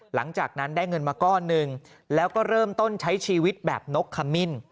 หลังจากนั้นได้เงินมาก้อนหนึ่งแล้วก็เริ่มต้นใช้ชีวิตแบบนกขมิ้น